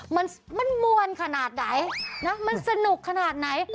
มันมวนขนาดไหนมันสนุกขนาดไหน